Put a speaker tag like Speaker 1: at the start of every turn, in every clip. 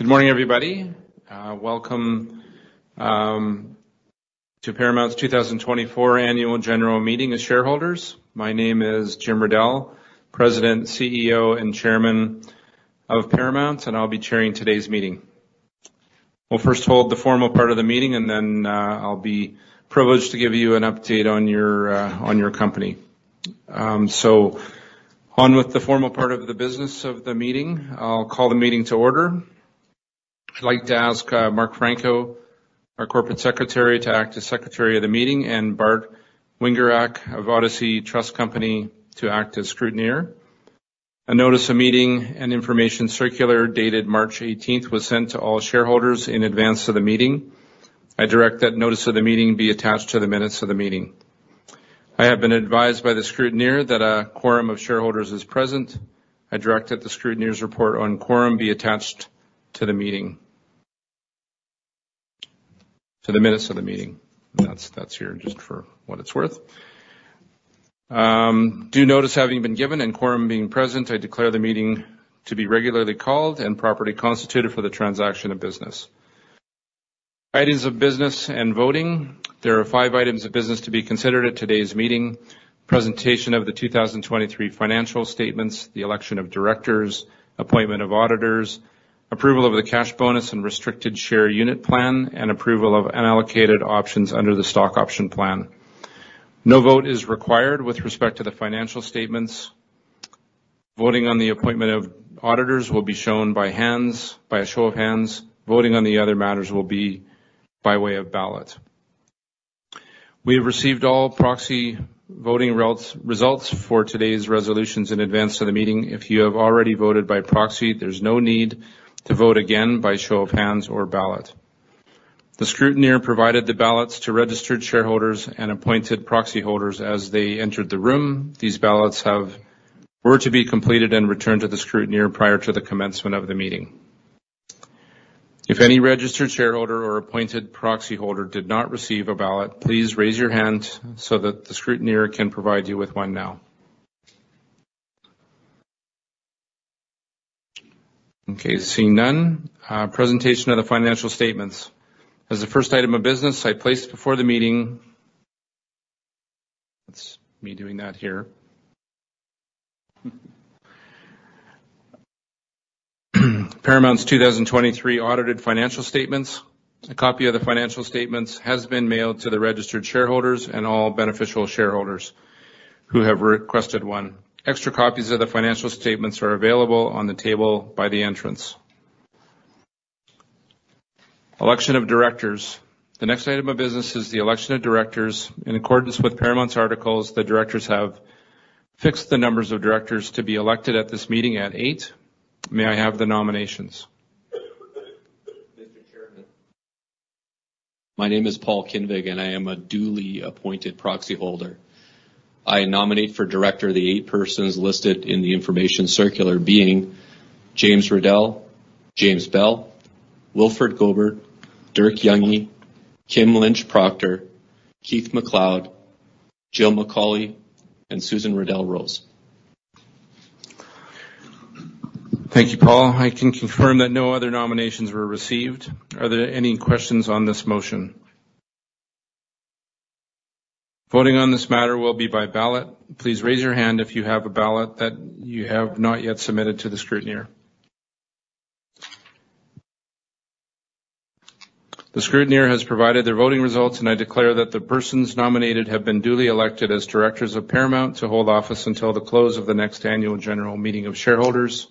Speaker 1: Good morning, everybody. Welcome to Paramount's 2024 annual general meeting of shareholders. My name is Jim Riddell, President, CEO, and Chairman of Paramount, and I'll be chairing today's meeting. We'll first hold the formal part of the meeting, and then, I'll be privileged to give you an update on your, on your company. So on with the formal part of the business of the meeting. I'll call the meeting to order. I'd like to ask, Mark Franko, our corporate secretary, to act as secretary of the meeting, and Bart Wingerak of Odyssey Trust Company to act as scrutineer. A notice of meeting and information circular dated March 18th was sent to all shareholders in advance of the meeting. I direct that notice of the meeting be attached to the minutes of the meeting. I have been advised by the scrutineer that a quorum of shareholders is present. I direct that the scrutineer's report on quorum be attached to the meeting, to the minutes of the meeting. That's, that's here just for what it's worth. Due notice having been given and quorum being present, I declare the meeting to be regularly called and properly constituted for the transaction of business. Items of business and voting. There are five items of business to be considered at today's meeting: presentation of the 2023 financial statements, the election of directors, appointment of auditors, approval of the cash bonus and restricted share unit plan, and approval of unallocated options under the stock option plan. No vote is required with respect to the financial statements. Voting on the appointment of auditors will be shown by hands, by a show of hands. Voting on the other matters will be by way of ballot. We have received all proxy voting results for today's resolutions in advance of the meeting. If you have already voted by proxy, there's no need to vote again by show of hands or ballot. The scrutineer provided the ballots to registered shareholders and appointed proxy holders as they entered the room. These ballots were to be completed and returned to the scrutineer prior to the commencement of the meeting. If any registered shareholder or appointed proxy holder did not receive a ballot, please raise your hand so that the scrutineer can provide you with one now. Okay. Seeing none, presentation of the financial statements. As the first item of business, I placed before the meeting that's me doing that here. Paramount's 2023 audited financial statements. A copy of the financial statements has been mailed to the registered shareholders and all beneficial shareholders who have requested one. Extra copies of the financial statements are available on the table by the entrance. Election of directors. The next item of business is the election of directors. In accordance with Paramount's articles, the directors have fixed the numbers of directors to be elected at this meeting at eight. May I have the nominations?
Speaker 2: Mr. Chairman. My name is Paul Kinvig, and I am a duly appointed proxy holder. I nominate for director the eight persons listed in the information circular, being James Riddell, James Bell, Wilfred Gobert, Dirk Jungé, Kim Lynch Proctor, Keith MacLeod, Jill McAuley, and Susan Riddell Rose.
Speaker 1: Thank you, Paul. I can confirm that no other nominations were received. Are there any questions on this motion? Voting on this matter will be by ballot. Please raise your hand if you have a ballot that you have not yet submitted to the scrutineer. The scrutineer has provided their voting results, and I declare that the persons nominated have been duly elected as directors of Paramount to hold office until the close of the next annual general meeting of shareholders.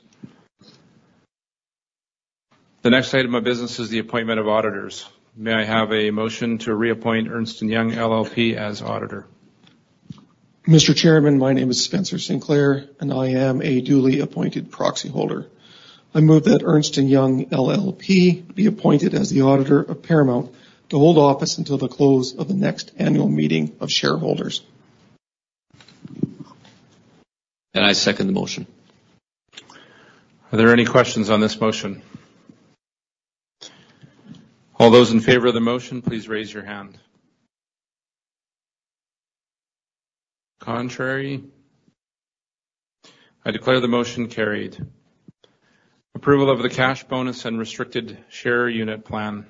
Speaker 1: The next item of business is the appointment of auditors. May I have a motion to reappoint Ernst & Young LLP as auditor?
Speaker 3: Mr. Chairman, my name is Spencer Sinclair, and I am a duly appointed proxy holder. I move that Ernst & Young LLP be appointed as the auditor of Paramount to hold office until the close of the next annual meeting of shareholders.
Speaker 2: I second the motion.
Speaker 1: Are there any questions on this motion? All those in favor of the motion, please raise your hand. Contrary? I declare the motion carried. Approval of the cash bonus and restricted share unit plan.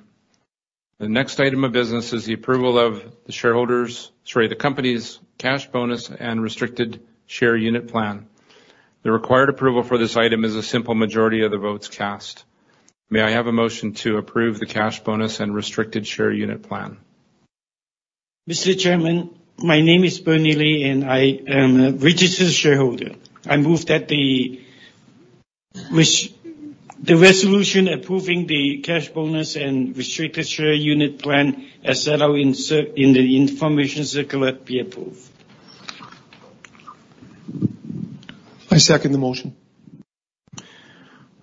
Speaker 1: The next item of business is the approval of the shareholders' sorry, the company's cash bonus and restricted share unit plan. The required approval for this item is a simple majority of the votes cast. May I have a motion to approve the cash bonus and restricted share unit plan?
Speaker 4: Mr. Chairman, my name is Bernie Lee, and I am a registered shareholder. I move that the resolution approving the cash bonus and restricted share unit plan as set out in the information circular be approved.
Speaker 3: I second the motion.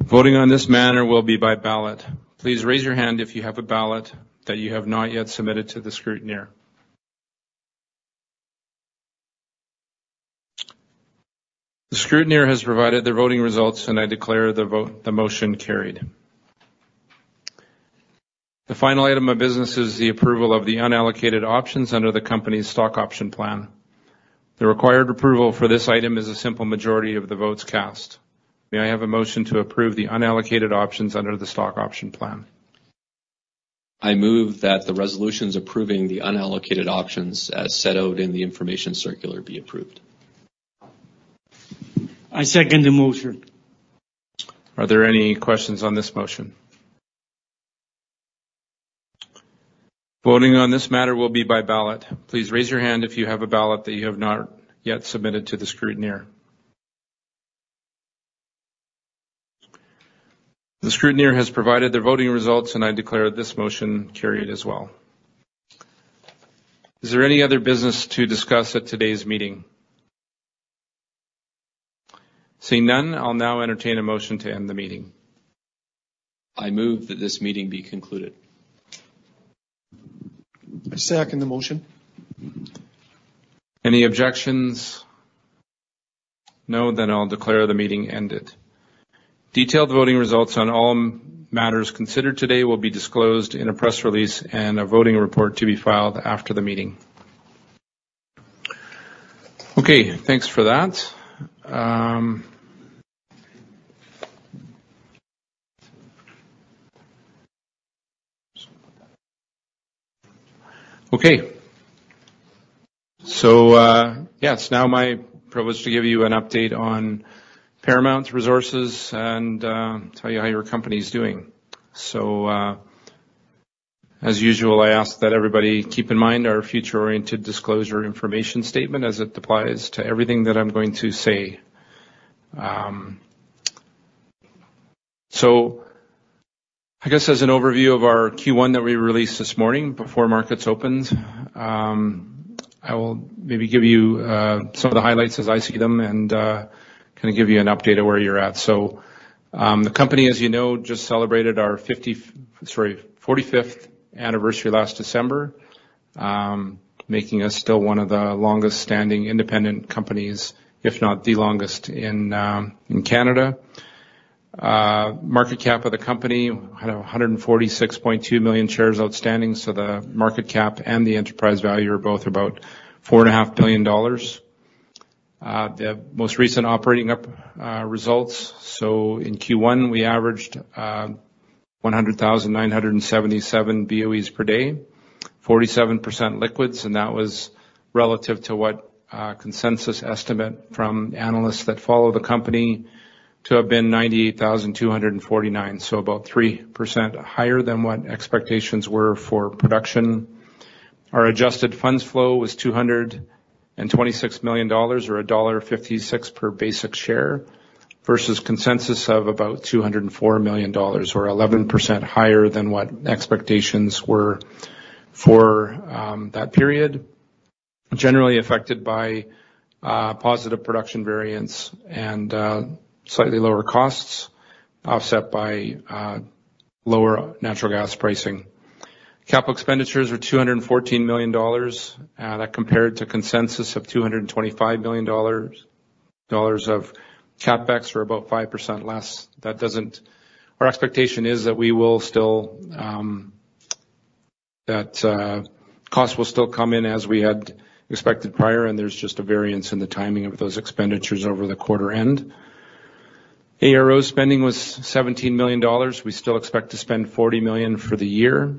Speaker 1: Voting on this matter will be by ballot. Please raise your hand if you have a ballot that you have not yet submitted to the scrutineer. The scrutineer has provided their voting results, and I declare the vote the motion carried. The final item of business is the approval of the unallocated options under the company's stock option plan. The required approval for this item is a simple majority of the votes cast. May I have a motion to approve the unallocated options under the stock option plan?
Speaker 2: I move that the resolutions approving the unallocated options as set out in the information circular be approved.
Speaker 4: I second the motion.
Speaker 1: Are there any questions on this motion? Voting on this matter will be by ballot. Please raise your hand if you have a ballot that you have not yet submitted to the scrutineer. The scrutineer has provided their voting results, and I declare this motion carried as well. Is there any other business to discuss at today's meeting? Seeing none, I'll now entertain a motion to end the meeting.
Speaker 2: I move that this meeting be concluded.
Speaker 3: I second the motion.
Speaker 1: Any objections? No, then I'll declare the meeting ended. Detailed voting results on all matters considered today will be disclosed in a press release and a voting report to be filed after the meeting. Okay. Thanks for that. Okay. So, yes, now my privilege to give you an update on Paramount's resources and tell you how your company's doing. So, as usual, I ask that everybody keep in mind our future-oriented disclosure information statement as it applies to everything that I'm going to say. So I guess as an overview of our Q1 that we released this morning before markets opened, I will maybe give you some of the highlights as I see them and kinda give you an update of where you're at. So, the company, as you know, just celebrated our 45th anniversary last December, making us still one of the longest-standing independent companies, if not the longest, in Canada. Market cap of the company had 146.2 million shares outstanding, so the market cap and the enterprise value are both about 4.5 billion dollars. The most recent operating results, so in Q1, we averaged 100,977 BOEs per day, 47% liquids, and that was relative to consensus estimate from analysts that follow the company to have been 98,249, so about 3% higher than what expectations were for production. Our adjusted funds flow was 226 million dollars or dollar 1.56 per basic share versus consensus of about 204 million dollars or 11% higher than what expectations were for that period, generally affected by positive production variance and slightly lower costs offset by lower natural gas pricing. CapEx was 214 million dollars, that compared to consensus of 225 million dollars. Dollars of CapEx are about 5% less. That doesn't our expectation is that we will still, that, cost will still come in as we had expected prior, and there's just a variance in the timing of those expenditures over the quarter end. ARO spending was 17 million dollars. We still expect to spend 40 million for the year.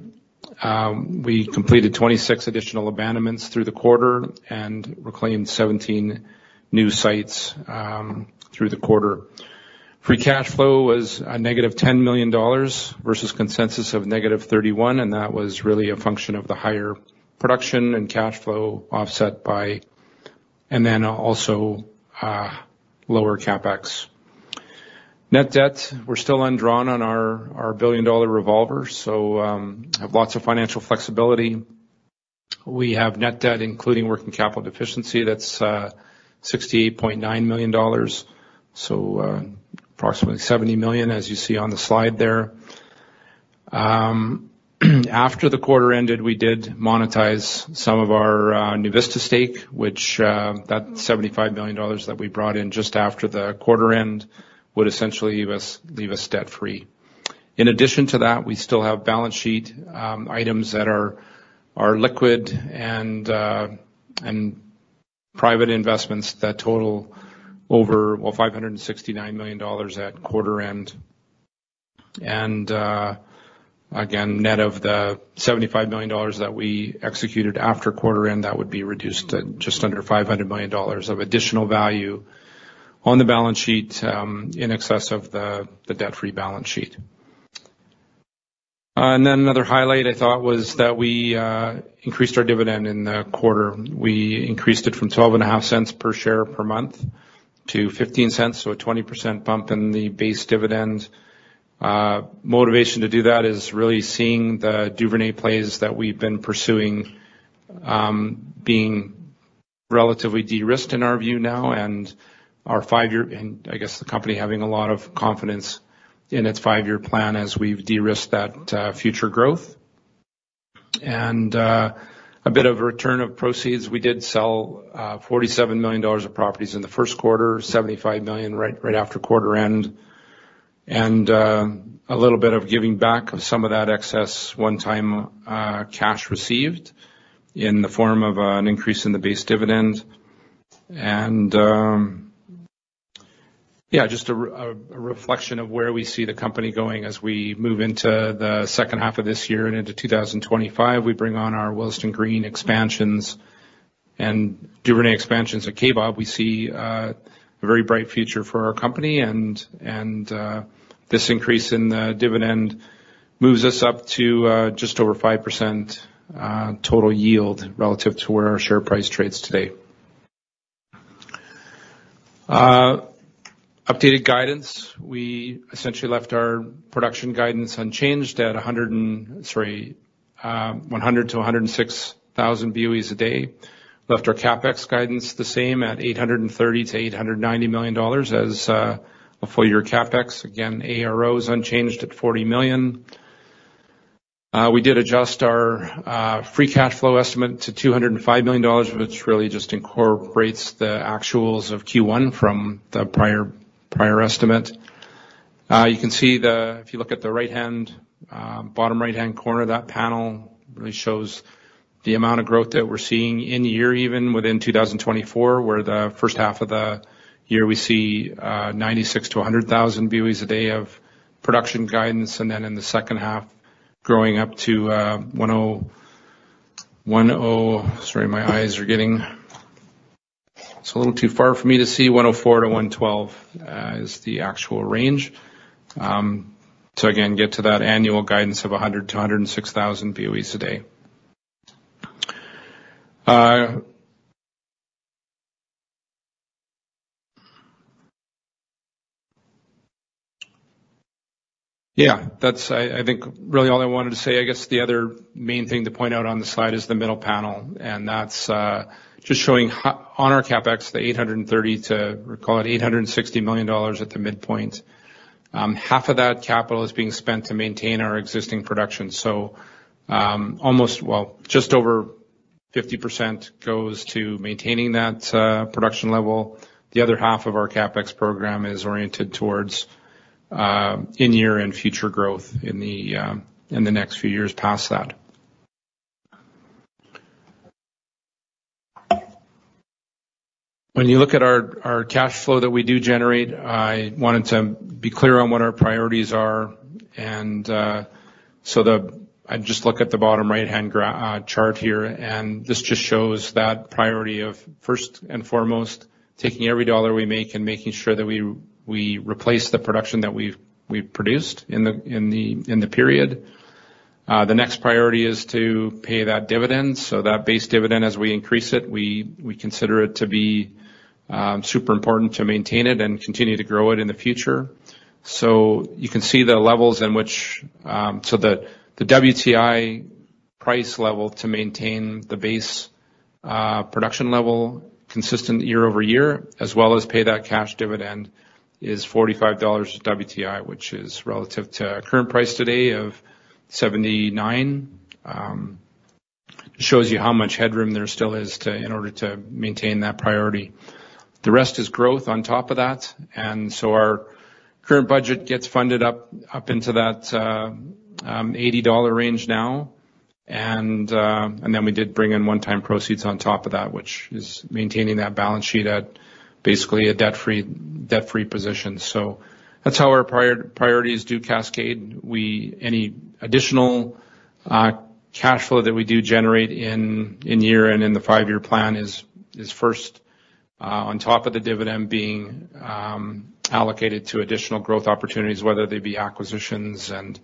Speaker 1: We completed 26 additional abandonments through the quarter and reclaimed 17 new sites, through the quarter. Free cash flow was -10 million dollars versus consensus of -31 million, and that was really a function of the higher production and cash flow offset by and then also, lower CapEx. Net debt, we're still undrawn on our, our billion-dollar revolver, so, have lots of financial flexibility. We have net debt, including working capital deficiency. 68.9 million dollars, so approximately 70 million, as you see on the slide there. After the quarter ended, we did monetize some of our NuVista stake, which, that 75 million dollars that we brought in just after the quarter end would essentially leave us debt-free. In addition to that, we still have balance sheet items that are liquid and private investments that total over, well, 569 million dollars at quarter end. Again, net of the 75 million dollars that we executed after quarter end, that would be reduced to just under 500 million dollars of additional value on the balance sheet, in excess of the debt-free balance sheet. Then another highlight I thought was that we increased our dividend in the quarter. We increased it from 0.125 per share per month to 0.15, so a 20% bump in the base dividend. motivation to do that is really seeing the Duvernay plays that we've been pursuing, being relatively de-risked in our view now and our five-year and I guess the company having a lot of confidence in its five-year plan as we've de-risked that future growth. And a bit of a return of proceeds. We did sell 47 million dollars of properties in the Q1, 75 million right after quarter end, and a little bit of giving back of some of that excess one-time cash received in the form of an increase in the base dividend. And yeah, just a reflection of where we see the company going as we move into the second half of this year and into 2025. We bring on our Willesden Green expansions and Duvernay expansions at Kaybob. We see a very bright future for our company, and this increase in the dividend moves us up to just over 5% total yield relative to where our share price trades today. Updated guidance. We essentially left our production guidance unchanged at 100,000-106,000 BOEs a day, left our CapEx guidance the same at 830 million-890 million dollars as a full-year CapEx. Again, ARO's unchanged at 40 million. We did adjust our free cash flow estimate to 205 million dollars, which really just incorporates the actuals of Q1 from the prior estimate. You can see, if you look at the right-hand, bottom right-hand corner, that panel really shows the amount of growth that we're seeing in-year, even within 2024, where the first half of the year, we see 96,000-100,000 BOEs a day of production guidance, and then in the second half, growing up to 1,010 sorry, my eyes are getting it's a little too far for me to see. 104-112 is the actual range, to again get to that annual guidance of 100,000-106,000 BOEs a day. Yeah, that's I, I think really all I wanted to say. I guess the other main thing to point out on the slide is the middle panel, and that's just showing how on our CapEx, the 830 million-860 million dollars at the midpoint. Half of that capital is being spent to maintain our existing production, so almost, well, just over 50% goes to maintaining that production level. The other half of our CapEx program is oriented towards in-year and future growth in the next few years past that. When you look at our cash flow that we do generate, I wanted to be clear on what our priorities are. And so I just look at the bottom right-hand chart here, and this just shows that priority of first and foremost, taking every dollar we make and making sure that we replace the production that we've produced in the period. The next priority is to pay that dividend. So that base dividend, as we increase it, we consider it to be super important to maintain it and continue to grow it in the future. So you can see the levels in which, so the WTI price level to maintain the base production level consistent year-over-year, as well as pay that cash dividend, is $45 WTI, which is relative to current price today of $79. Shows you how much headroom there still is in order to maintain that priority. The rest is growth on top of that. And so our current budget gets funded up into that $80 range now. And then we did bring in one-time proceeds on top of that, which is maintaining that balance sheet at basically a debt-free position. So that's how our priorities do cascade. Any additional cash flow that we do generate in year and in the five-year plan is first, on top of the dividend being allocated to additional growth opportunities, whether they be acquisitions and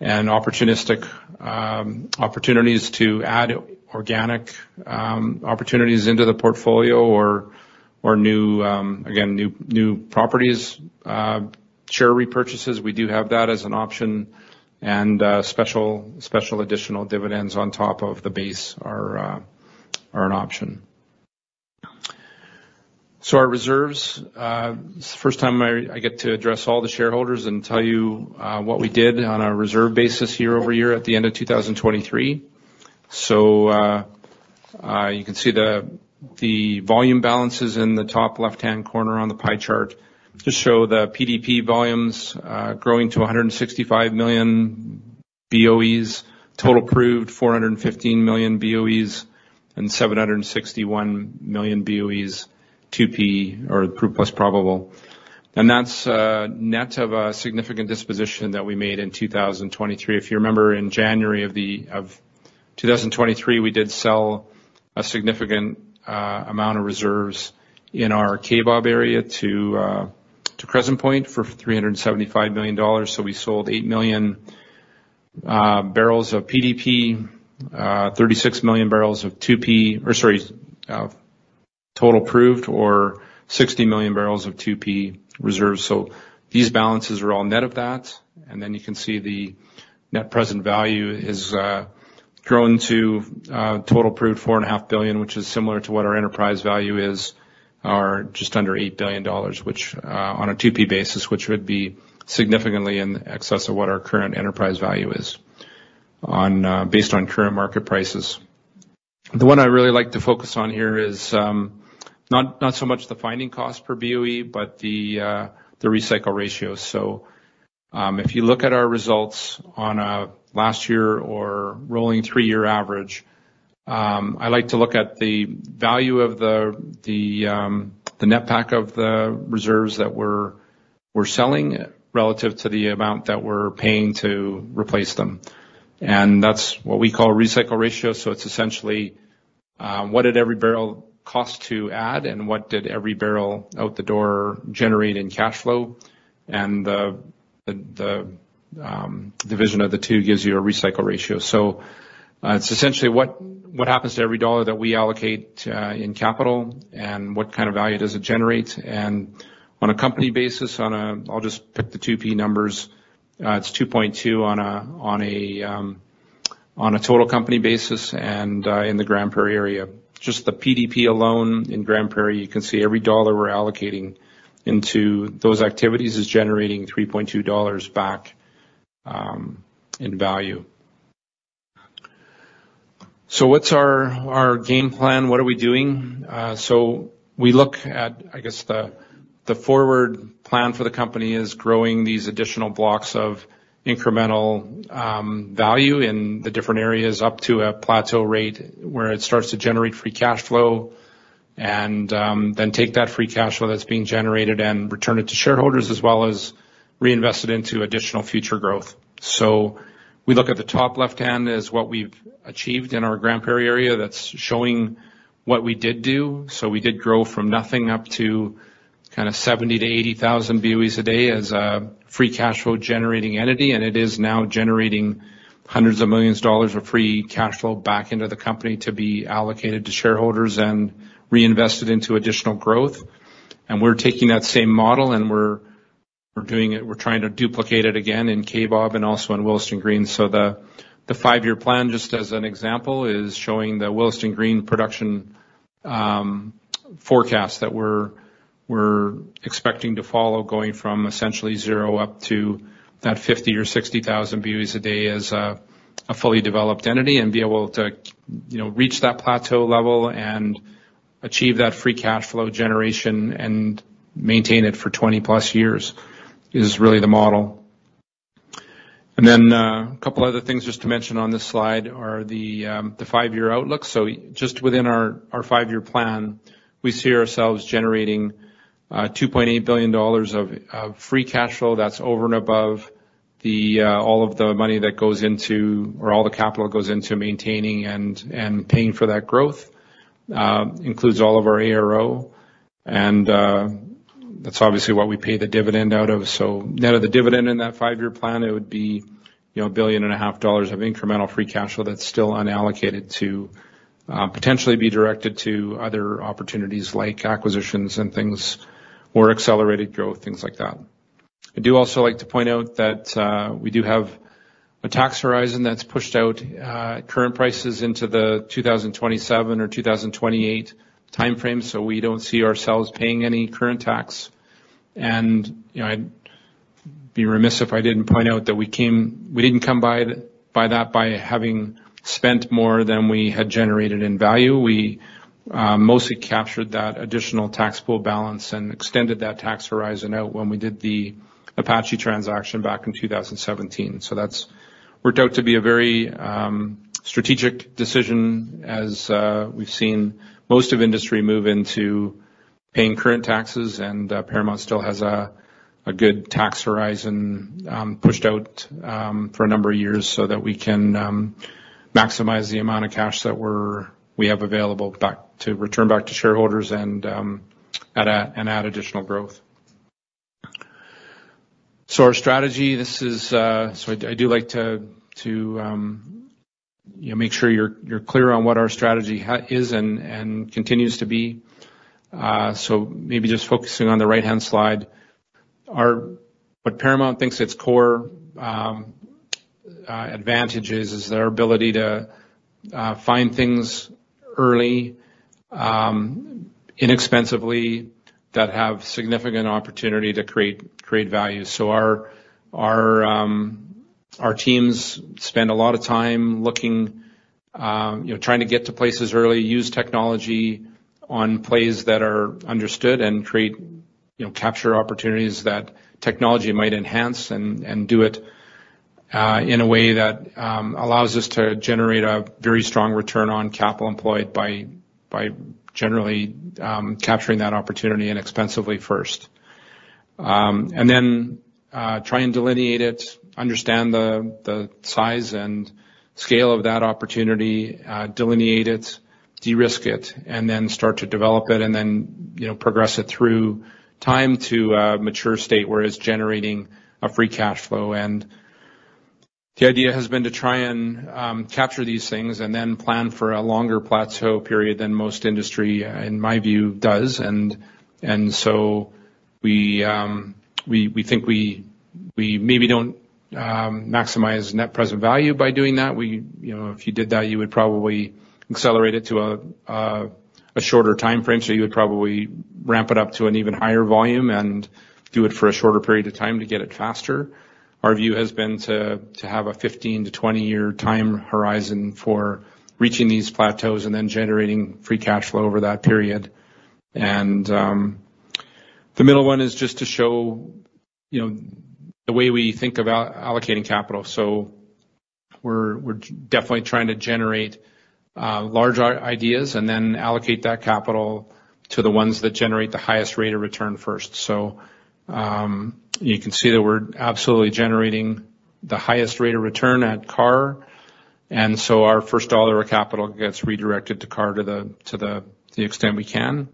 Speaker 1: opportunistic opportunities to add organic opportunities into the portfolio or new properties, share repurchases. We do have that as an option. Special additional dividends on top of the base are an option. So our reserves, first time I get to address all the shareholders and tell you what we did on a reserve basis year-over-year at the end of 2023. So you can see the volume balances in the top left-hand corner on the pie chart just show the PDP volumes growing to 165 million BOEs, total proved 415 million BOEs, and 761 million BOEs 2P or proved plus probable. That's net of a significant disposition that we made in 2023. If you remember, in January of 2023, we did sell a significant amount of reserves in our Kaybob area to Crescent Point for 375 million dollars. So we sold 8 million barrels of PDP, 36 million barrels of 2P or sorry, total proved or 60 million barrels of 2P reserves. So these balances are all net of that. And then you can see the net present value is grown to total proved 4.5 billion, which is similar to what our enterprise value is just under 8 billion dollars, which on a 2P basis would be significantly in excess of what our current enterprise value is based on current market prices. The one I really like to focus on here is not so much the finding cost per BOE, but the recycle ratio. So, if you look at our results on last year or rolling three-year average, I like to look at the value of the netback of the reserves that we're selling relative to the amount that we're paying to replace them. And that's what we call recycle ratio. So it's essentially, what did every barrel cost to add, and what did every barrel out the door generate in cash flow? And the division of the two gives you a recycle ratio. So, it's essentially what happens to every dollar that we allocate in capital, and what kind of value does it generate? And on a company basis, I'll just pick the 2P numbers. It's 2.2 on a total company basis and in the Grande Prairie area. Just the PDP alone in Grande Prairie, you can see every dollar we're allocating into those activities is generating 3.2 dollars back in value. So what's our game plan? What are we doing? So we look at I guess the forward plan for the company is growing these additional blocks of incremental value in the different areas up to a plateau rate where it starts to generate free cash flow and then take that free cash flow that's being generated and return it to shareholders as well as reinvest it into additional future growth. So we look at the top left-hand is what we've achieved in our Grande Prairie area that's showing what we did do. So we did grow from nothing up to kinda 70,000-80,000 BOEs a day as a free cash flow generating entity. It is now generating hundreds of millions CAD of free cash flow back into the company to be allocated to shareholders and reinvested into additional growth. We're taking that same model, and we're doing it, we're trying to duplicate it again in Kaybob and also in Willesden Green. So the five-year plan, just as an example, is showing the Willesden Green production forecast that we're expecting to follow, going from essentially zero up to that 50,000-60,000 BOEs a day as a fully developed entity and be able to, you know, reach that plateau level and achieve that free cash flow generation and maintain it for 20+ years is really the model. Then, a couple other things just to mention on this slide are the five-year outlook. So just within our five-year plan, we see ourselves generating 2.8 billion dollars of free cash flow that's over and above all of the money that goes into or all the capital that goes into maintaining and paying for that growth, includes all of our ARO. That's obviously what we pay the dividend out of. So net of the dividend in that five-year plan, it would be, you know, 1.5 billion of incremental free cash flow that's still unallocated to potentially be directed to other opportunities like acquisitions and things like more accelerated growth, things like that. I do also like to point out that we do have a tax horizon that's pushed out at current prices into the 2027 or 2028 timeframe. So we don't see ourselves paying any current tax. You know, I'd be remiss if I didn't point out that we didn't come by that by having spent more than we had generated in value. We mostly captured that additional tax pool balance and extended that tax horizon out when we did the Apache transaction back in 2017. So that's worked out to be a very strategic decision as we've seen most of industry move into paying current taxes. Paramount still has a good tax horizon, pushed out, for a number of years so that we can maximize the amount of cash that we have available to return to shareholders and add additional growth. So our strategy this is so I do like to you know make sure you're clear on what our strategy is and continues to be. So maybe just focusing on the right-hand slide. What Paramount thinks its core advantage is their ability to find things early, inexpensively that have significant opportunity to create value. So our teams spend a lot of time looking, you know, trying to get to places early, use technology on plays that are understood, and create, you know, capture opportunities that technology might enhance and do it in a way that allows us to generate a very strong return on capital employed by generally capturing that opportunity inexpensively first. And then try and delineate it, understand the size and scale of that opportunity, delineate it, de-risk it, and then start to develop it and then, you know, progress it through time to a mature state where it's generating a free cash flow. The idea has been to try and capture these things and then plan for a longer plateau period than most industry, in my view, does. And so we think we maybe don't maximize net present value by doing that. You know, if you did that, you would probably accelerate it to a shorter timeframe. So you would probably ramp it up to an even higher volume and do it for a shorter period of time to get it faster. Our view has been to have a 15-20-year time horizon for reaching these plateaus and then generating free cash flow over that period. And the middle one is just to show, you know, the way we think about allocating capital. So we're definitely trying to generate large ideas and then allocate that capital to the ones that generate the highest rate of return first. So, you can see that we're absolutely generating the highest rate of return at Karr. And so our first dollar of capital gets redirected to Karr to the extent we can.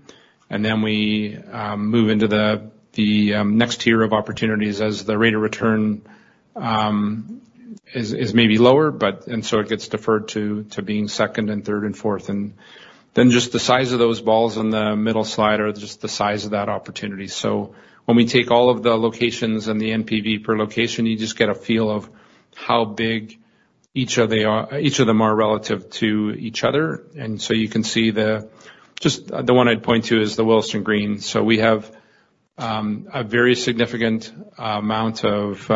Speaker 1: And then we move into the next tier of opportunities as the rate of return is maybe lower, but and so it gets deferred to being second and third and fourth. And then just the size of those balls on the middle slide are just the size of that opportunity. So when we take all of the locations and the NPV per location, you just get a feel of how big each of them are relative to each other. And so you can see the just the one I'd point to is the Willesden Green. So we have a very significant amount of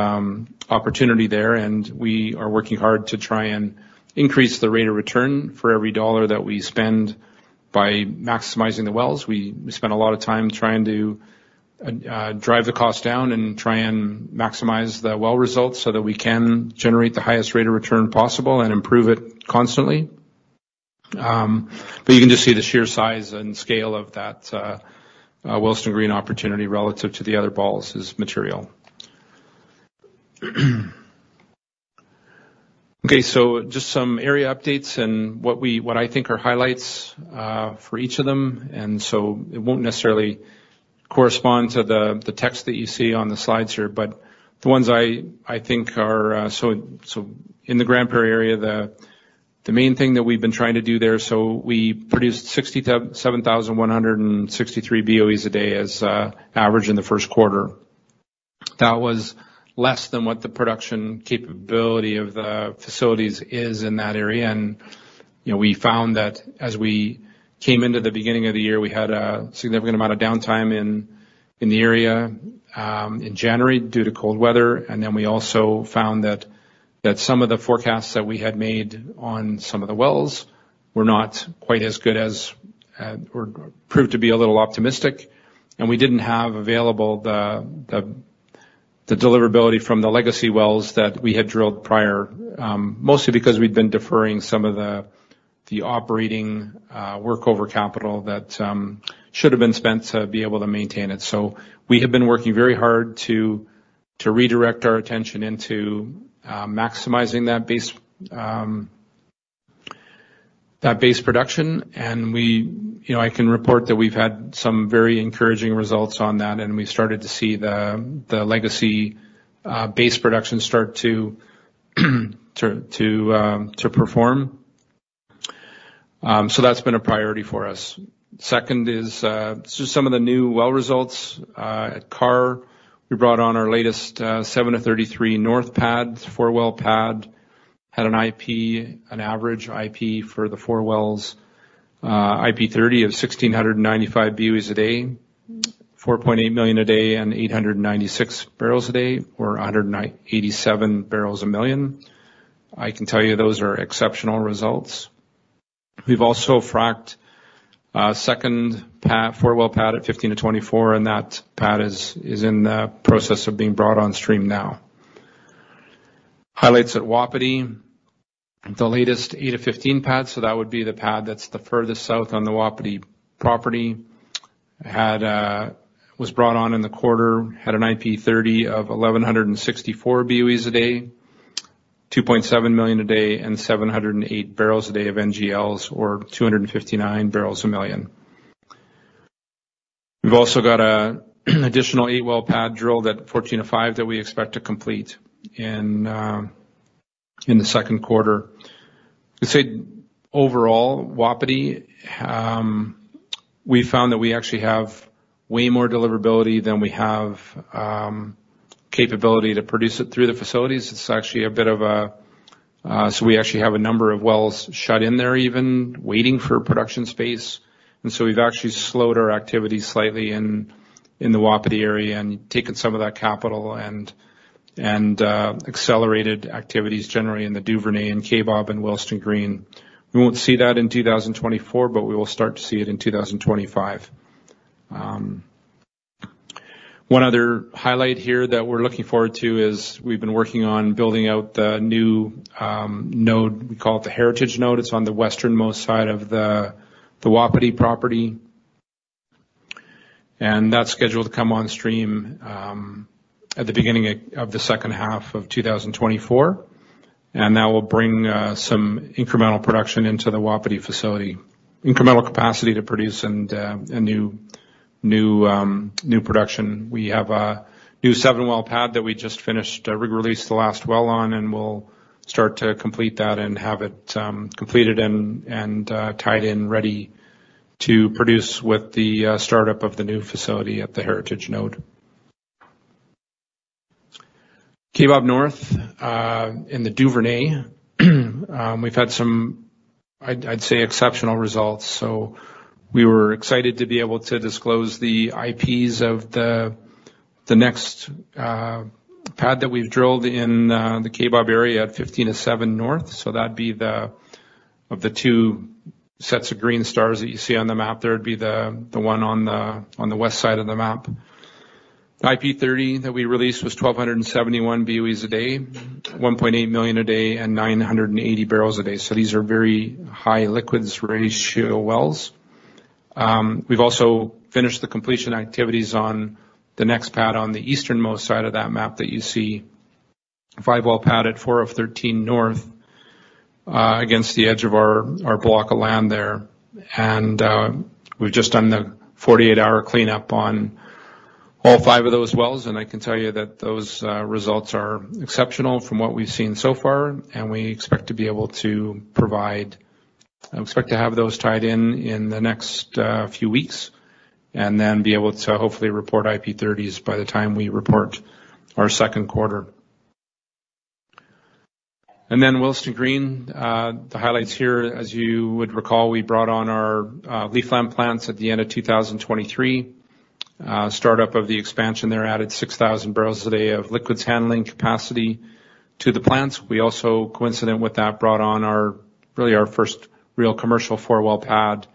Speaker 1: opportunity there. And we are working hard to try and increase the rate of return for every dollar that we spend by maximizing the wells. We spend a lot of time trying to drive the cost down and try and maximize the well results so that we can generate the highest rate of return possible and improve it constantly. But you can just see the sheer size and scale of that Willesden Green opportunity relative to the other balls is material. Okay. So just some area updates and what I think are highlights for each of them. So it won't necessarily correspond to the text that you see on the slides here, but the ones I think are, so in the Grande Prairie area, the main thing that we've been trying to do there, so we produced 67,163 BOEs a day as average in the Q1. That was less than what the production capability of the facilities is in that area. And, you know, we found that as we came into the beginning of the year, we had a significant amount of downtime in the area in January due to cold weather. And then we also found that some of the forecasts that we had made on some of the wells were not quite as good as or proved to be a little optimistic. And we didn't have available the deliverability from the legacy wells that we had drilled prior, mostly because we'd been deferring some of the operating workover capital that should have been spent to be able to maintain it. So we have been working very hard to redirect our attention into maximizing that base production. And we, you know, I can report that we've had some very encouraging results on that. And we started to see the legacy base production start to perform. So that's been a priority for us. Second is just some of the new well results at CAR. We brought on our latest, 7-33 North pad, 4-well pad, had an average IP for the 4 wells, IP 30 of 1,695 BOEs a day, 4.8 million a day, and 896 barrels a day or 187 barrels a million. I can tell you those are exceptional results. We've also fracked second pad 4-well pad at 15-24. And that pad is in the process of being brought on stream now. Highlights at Wapiti, the latest 8-15 pad. So that would be the pad that's the furthest south on the Wapiti property. Had, was brought on in the quarter, had an IP 30 of 1,164 BOEs a day, 2.7 million a day, and 708 barrels a day of NGLs or 259 barrels a million. We've also got an additional eight well pad drilled at 14-5 that we expect to complete in the Q2. I'd say overall, Wapiti, we found that we actually have way more deliverability than we have capability to produce it through the facilities. It's actually a bit of a so we actually have a number of wells shut in there even waiting for production space. And so we've actually slowed our activity slightly in the Wapiti area and taken some of that capital and accelerated activities generally in the Duvernay and Kaybob and Willesden Green. We won't see that in 2024, but we will start to see it in 2025. One other highlight here that we're looking forward to is we've been working on building out the new node. We call it the Heritage Node. It's on the westernmost side of the Wapiti property. And that's scheduled to come on stream at the beginning of the second half of 2024. And that will bring some incremental production into the Wapiti facility, incremental capacity to produce and new production. We have a new seven well pad that we just finished released the last well on. And we'll start to complete that and have it completed and tied in, ready to produce with the startup of the new facility at the Heritage Node. Kaybob North, in the Duvernay, we've had some, I'd say exceptional results. So we were excited to be able to disclose the IPs of the next pad that we've drilled in the Kaybob area at 15-7 North. So that'd be the of the two sets of green stars that you see on the map there. It'd be the one on the west side of the map. IP 30 that we released was 1,271 BOEs a day, 1.8 million a day, and 980 barrels a day. So these are very high liquids ratio wells. We've also finished the completion activities on the next pad on the easternmost side of that map that you see, 5-well pad at 4-13 North, against the edge of our block of land there. And we've just done the 48-hour cleanup on all 5 of those wells. And I can tell you that those results are exceptional from what we've seen so far. And we expect to be able to provide. I expect to have those tied in in the next few weeks and then be able to hopefully report IP 30s by the time we report our Q2. Willesden Green, the highlights here, as you would recall, we brought on our Leafland plants at the end of 2023. The startup of the expansion there added 6,000 barrels a day of liquids handling capacity to the plants. We also, coincident with that, brought on really our first real commercial 4-well pad.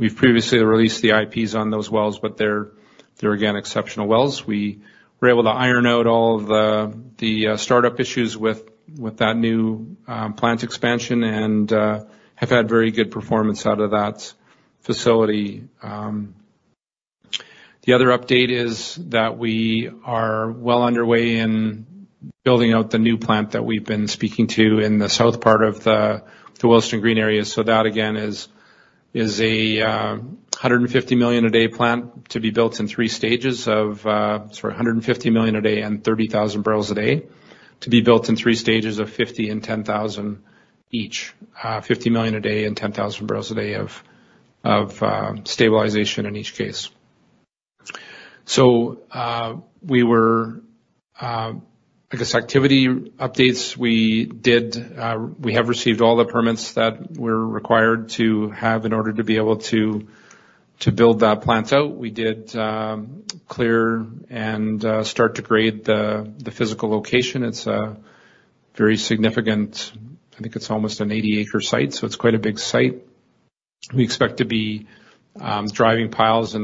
Speaker 1: We've previously released the IPs on those wells, but they're again exceptional wells. We were able to iron out all of the startup issues with that new plant expansion and have had very good performance out of that facility. The other update is that we are well underway in building out the new plant that we've been speaking to in the south part of the Willesden Green area. So that again is a 150 million a day plant to be built in three stages of, sorry, 150 million a day and 30,000 barrels a day to be built in three stages of 50 and 10,000 each, 50 million a day and 10,000 barrels a day of stabilization in each case. So, I guess activity updates, we have received all the permits that we're required to have in order to be able to build that plant out. We did clear and start to grade the physical location. It's a very significant site, I think it's almost an 80-acre site. So it's quite a big site. We expect to be driving piles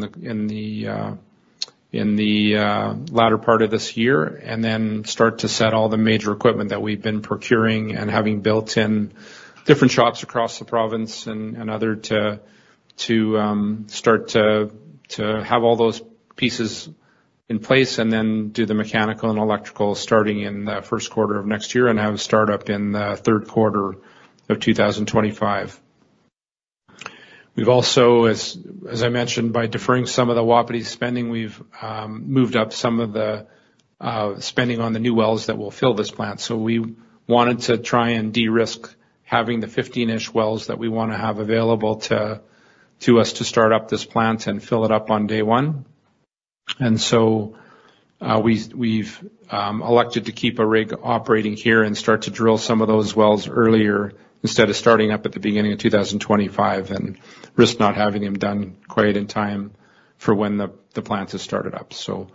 Speaker 1: in the latter part of this year and then start to set all the major equipment that we've been procuring and having built in different shops across the province and other to start to have all those pieces in place and then do the mechanical and electrical starting in the Q1 of next year and have a startup in the Q3 of 2025. We've also, as I mentioned, by deferring some of the Wapiti spending, we've moved up some of the spending on the new wells that will fill this plant. So we wanted to try and de-risk having the 15-ish wells that we wanna have available to us to start up this plant and fill it up on day one. And so, we've elected to keep a rig operating here and start to drill some of those wells earlier instead of starting up at the beginning of 2025 and risk not having them done quite in time for when the plant is started up. So,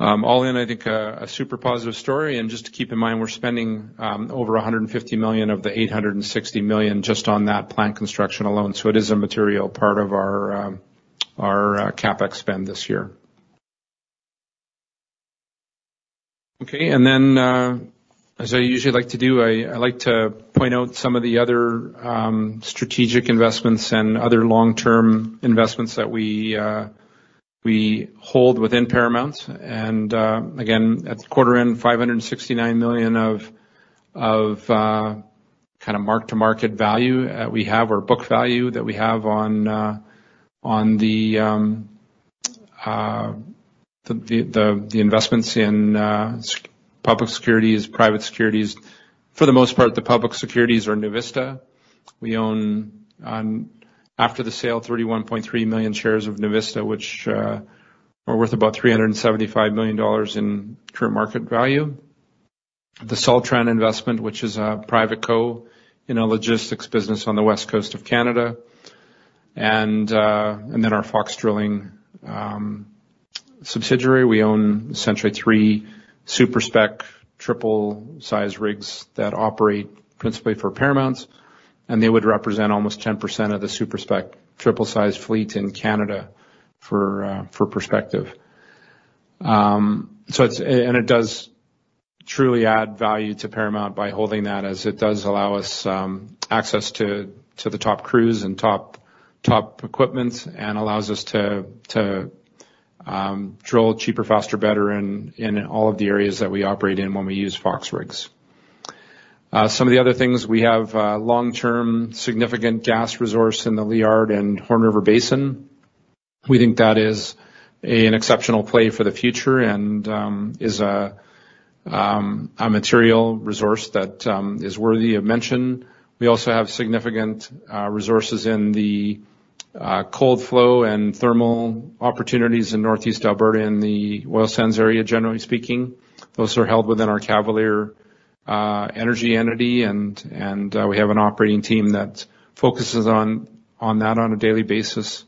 Speaker 1: all in, I think, a super positive story. And just to keep in mind, we're spending over 150 million of the 860 million just on that plant construction alone. So it is a material part of our CapEx spend this year. Okay. And then, as I usually like to do, I like to point out some of the other strategic investments and other long-term investments that we hold within Paramount. And, again, at quarter end, 569 million of kinda mark-to-market value that we have or book value that we have on the investments in public securities, private securities. For the most part, the public securities are NuVista. We own, now after the sale, 31.3 million shares of NuVista, which are worth about 375 million dollars in current market value. The Sultran investment, which is a private co in a logistics business on the west coast of Canada. And then our Fox Drilling subsidiary. We own essentially 3 Super Spec triple-size rigs that operate principally for Paramount. And they would represent almost 10% of the Super Spec triple-size fleet in Canada for perspective. So it's and it does truly add value to Paramount by holding that as it does allow us access to the top crews and top equipment and allows us to drill cheaper, faster, better in all of the areas that we operate in when we use Fox rigs. Some of the other things, we have long-term significant gas resource in the Liard and Horn River Basin. We think that is an exceptional play for the future and is a material resource that is worthy of mention. We also have significant resources in the cold flow and thermal opportunities in northeast Alberta in the oil sands area, generally speaking. Those are held within our Cavalier Energy entity. And we have an operating team that focuses on that on a daily basis.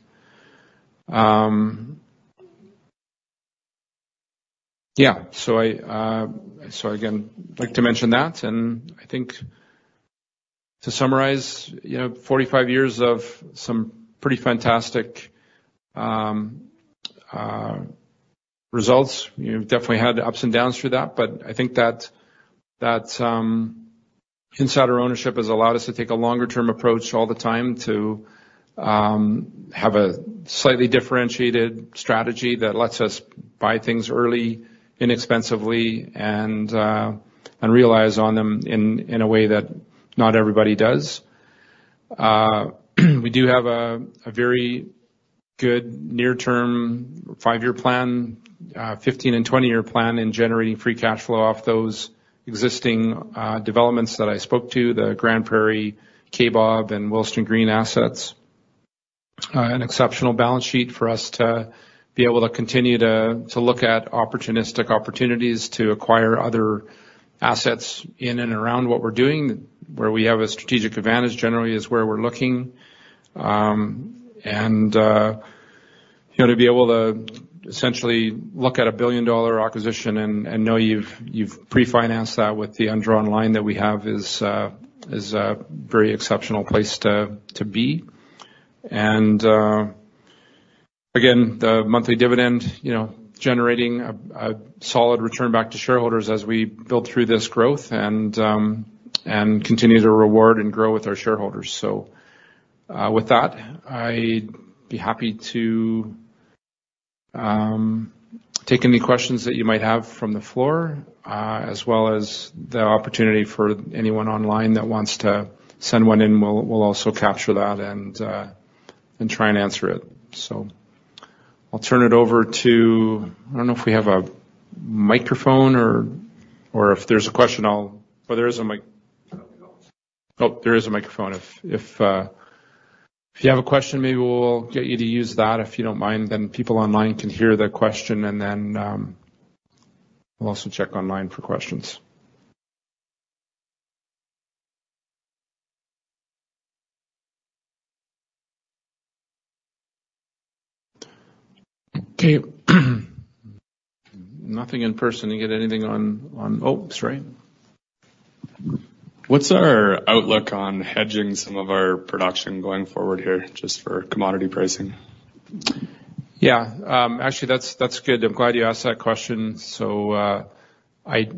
Speaker 1: Yeah. So I so again like to mention that. I think to summarize, you know, 45 years of some pretty fantastic results. We've definitely had ups and downs through that. But I think that insider ownership has allowed us to take a longer-term approach all the time to have a slightly differentiated strategy that lets us buy things early, inexpensively, and realize on them in a way that not everybody does. We do have a very good near-term 5-year plan, 15- and 20-year plan in generating free cash flow off those existing developments that I spoke to, the Grande Prairie, Kaybob, and Willesden Green assets, an exceptional balance sheet for us to be able to continue to look at opportunistic opportunities to acquire other assets in and around what we're doing. Where we have a strategic advantage generally is where we're looking. and, you know, to be able to essentially look at a billion-dollar acquisition and know you've pre-financed that with the undrawn line that we have is a very exceptional place to be. And, again, the monthly dividend, you know, generating a solid return back to shareholders as we build through this growth and continue to reward and grow with our shareholders. So, with that, I'd be happy to take any questions that you might have from the floor, as well as the opportunity for anyone online that wants to send one in. We'll also capture that and try and answer it. So I'll turn it over to—I don't know if we have a microphone or if there's a question, I'll—oh, there is a mic. Oh, there is a microphone. If you have a question, maybe we'll get you to use that if you don't mind. Then people online can hear the question. And then, we'll also check online for questions. Okay. Nothing in person. Oh, sorry. What's our outlook on hedging some of our production going forward here just for commodity pricing? Yeah. Actually, that's good. I'm glad you asked that question. So, I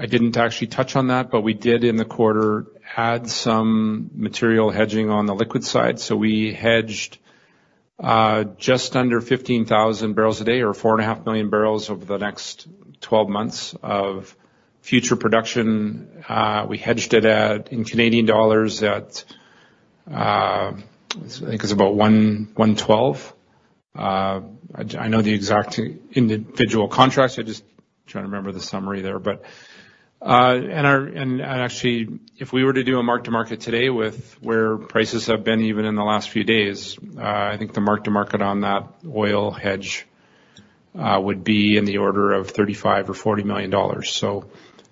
Speaker 1: didn't actually touch on that, but we did in the quarter add some material hedging on the liquid side. So we hedged just under 15,000 barrels a day or 4.5 million barrels over the next 12 months of future production. We hedged it at in Canadian dollars at, I think it's about 111.2. I know the exact individual contracts. I just trying to remember the summary there. But actually, if we were to do a mark-to-market today with where prices have been even in the last few days, I think the mark-to-market on that oil hedge would be in the order of $35 million-$40 million. So,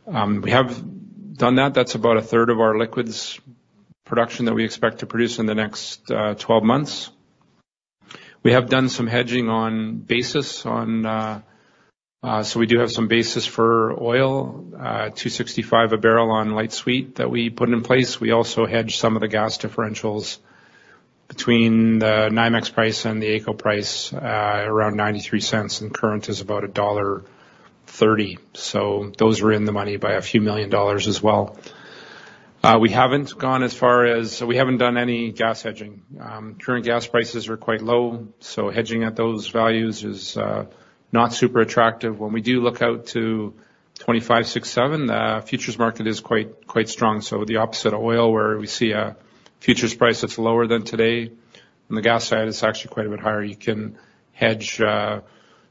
Speaker 1: we have done that. That's about a third of our liquids production that we expect to produce in the next 12 months. We have done some hedging on basis on, so we do have some basis for oil, $265 a barrel on Light Sweet that we put in place. We also hedge some of the gas differentials between the NYMEX price and the AECO price, around $0.93. And current is about $1.30. So those are in the money by $ a few million as well. We haven't gone as far as so we haven't done any gas hedging. Current gas prices are quite low. So hedging at those values is not super attractive. When we do look out to 2025, 2026, 2027, the futures market is quite, quite strong. So the opposite of oil where we see a futures price that's lower than today, on the gas side, it's actually quite a bit higher. You can hedge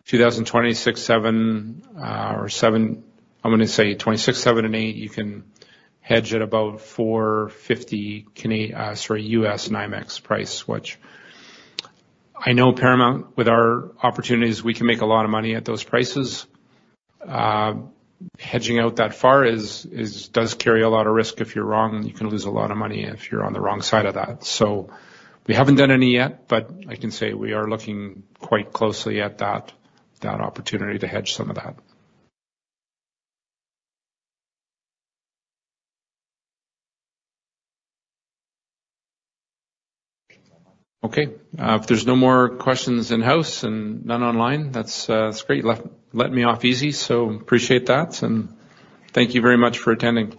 Speaker 1: 2025, 2026, 2027, or 2028. I'm gonna say 2026, 2027 and 2028, you can hedge at about $4.50 Canadian sorry, U.S. NYMEX price, which I know Paramount with our opportunities, we can make a lot of money at those prices. Hedging out that far is, is does carry a lot of risk. If you're wrong, you can lose a lot of money if you're on the wrong side of that. So we haven't done any yet, but I can say we are looking quite closely at that, that opportunity to hedge some of that. Okay. If there's no more questions in-house and none online, that's, that's great. You let me off easy. So appreciate that. And thank you very much for attending.